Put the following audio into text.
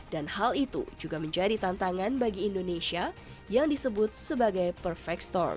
dan hal itu juga menjadi tantangan bagi indonesia yang disebut sebagai perfect storm